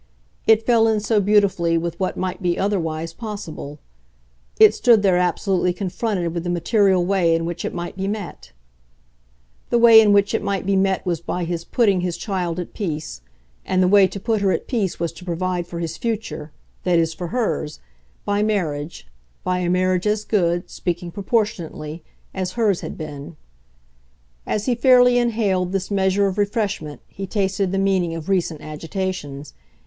It fell in so beautifully with what might be otherwise possible; it stood there absolutely confronted with the material way in which it might be met. The way in which it might be met was by his putting his child at peace, and the way to put her at peace was to provide for his future that is for hers by marriage, by a marriage as good, speaking proportionately, as hers had been. As he fairly inhaled this measure of refreshment he tasted the meaning of recent agitations.